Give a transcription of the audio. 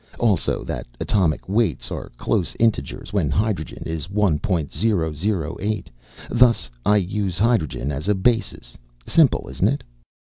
Also that atomic weights are close integers, when hydrogen is one point zero zero eight. Thus I use hydrogen as a basis. Simple, isn't it?"